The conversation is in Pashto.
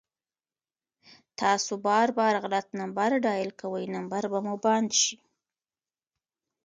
تاسو بار بار غلط نمبر ډائل کوئ ، نمبر به مو بند شي